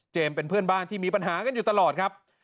เป็นเพื่อนบ้านที่มีปัญหากันอยู่ตลอดครับ